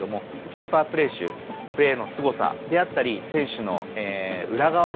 スーパープレー集プレーのすごさであったり選手の裏側ですね。